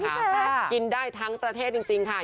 เห็นไหมคะค่ะกินได้ทั้งประเทศจริงจริงค่ะ